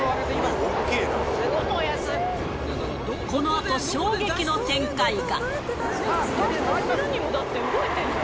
このあと衝撃の展開が。